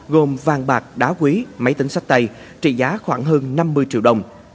gồm vàng bạc đá quý máy tính sách tay trị giá khoảng hơn năm mươi triệu đồng